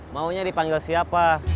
maunya dipanggil siapa